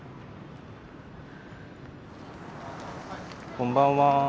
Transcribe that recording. こんばんは。